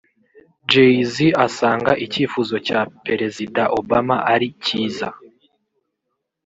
Jay Z asanga icyifuzo cya Perezida Obama ari cyiza